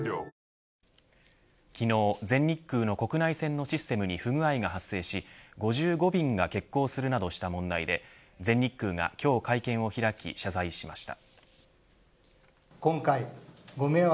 昨日、全日空の国内線のシステムに不具合が発生し５５便が欠航するなどした問題で全日空が今日会見を開き謝罪しました。